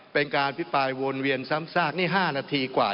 เป็นการอภิปรายวนเวียนซ้ำซากนี่๕นาทีกว่า